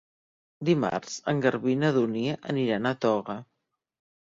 Dimarts en Garbí i na Dúnia aniran a Toga.